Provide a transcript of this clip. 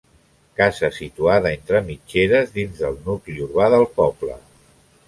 Casa situada entre mitgeres, dins del nucli urbà del poble.